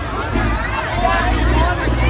ก็ไม่มีเวลาให้กลับมาเท่าไหร่